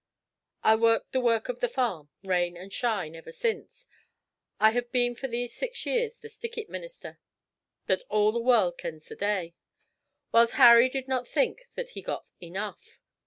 I worked the work of the farm, rain and shine, ever since, and have been for these six years the "stickit minister" that all the world kens the day. Whiles Harry did not think that he got enough.